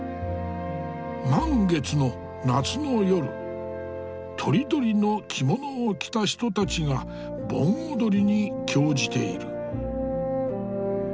満月の夏の夜とりどりの着物を着た人たちが盆踊りに興じている。